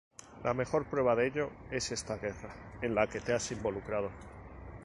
La mejor prueba de ello es esta guerra en la que te has involucrado.